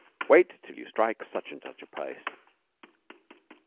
Wait till you strike such and such a place.'